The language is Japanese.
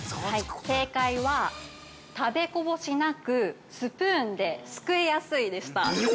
◆正解は、食べこぼしなく、スプーンですくいやすいでした。